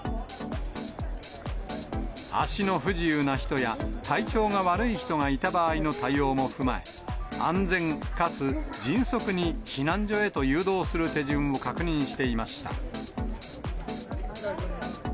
足の不自由な人や、体調が悪い人がいた場合の対応も踏まえ、安全かつ迅速に避難所へと誘導する手順を確認していました。